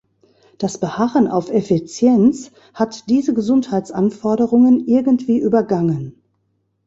Das Beharren auf Effizienz hat diese Gesundheitsanforderungen irgendwie übergangen.